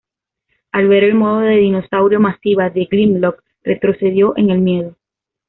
Al ver el modo de dinosaurio masiva de Grimlock, retrocedió en el miedo.